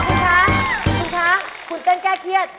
คุณคะคุณคะคุณเต้นแก้เครียด